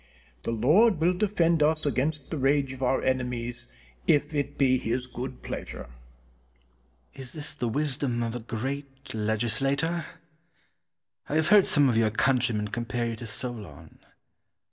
The Lord will defend us against the rage of our enemies if it be His good pleasure. Cortez. Is this the wisdom of a great legislator? I have heard some of your countrymen compare you to Solon.